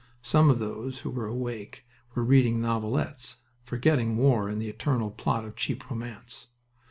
Some of those who were awake were reading novelettes, forgetting war in the eternal plot of cheap romance.